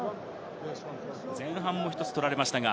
前半も１つ取られました。